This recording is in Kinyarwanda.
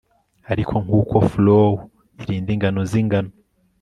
Ariko nkuko furrow irinda ingano zingano